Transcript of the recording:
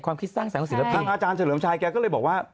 ข้างอาจารย์เจริญไชยก็เลยบอกว่า